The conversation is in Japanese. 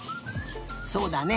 そうだね。